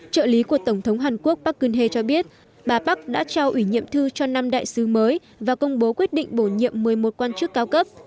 trợ lý của tổng thống hàn quốc parkin he cho biết bà park đã trao ủy nhiệm thư cho năm đại sứ mới và công bố quyết định bổ nhiệm một mươi một quan chức cao cấp